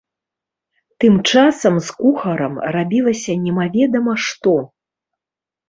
Тым часам з кухарам рабілася немаведама што.